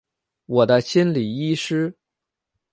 我的心理医师